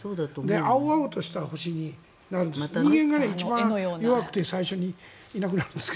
青々とした星になるんです。